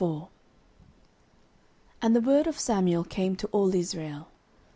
09:004:001 And the word of Samuel came to all Israel.